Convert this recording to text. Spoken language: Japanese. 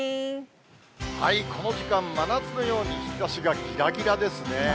この時間、真夏のように日ざしがぎらぎらですね。